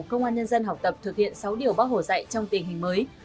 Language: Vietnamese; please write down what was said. công an nhân dân học tập thực hiện sáu điều bác hồ dạy trong tình hình mới